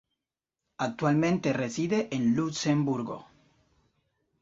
Actualmente reside en Luxemburgo.